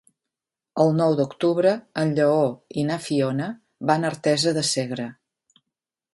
El nou d'octubre en Lleó i na Fiona van a Artesa de Segre.